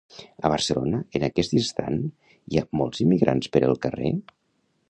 A Barcelona en aquest instant hi ha molts immigrats per el carrer?